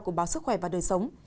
của báo sức khỏe và đời sống